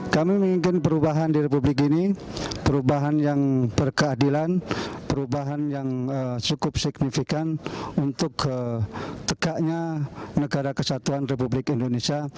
kami menginginkan perubahan di republik ini perubahan yang berkeadilan perubahan yang cukup signifikan untuk tegaknya negara kesatuan republik indonesia